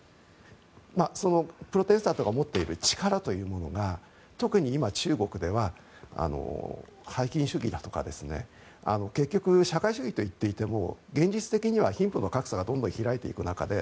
そのプロテスタントが持っている力というものが特に今、中国では拝金主義だとか結局、社会主義といっていても現実的には貧富の格差がどんどん開いていく中で